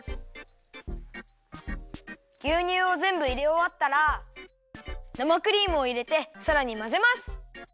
ぎゅうにゅうをぜんぶいれおわったら生クリームをいれてさらにまぜます！